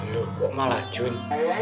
gue malah jun